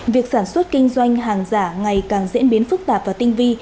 việc sản xuất kinh doanh hàng giả ngày càng diễn biến phức tạp và tinh vi